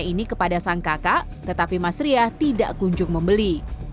ini kepada sang kakak tetapi mas riah tidak kunjung membeli